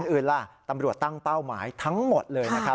อื่นล่ะตำรวจตั้งเป้าหมายทั้งหมดเลยนะครับ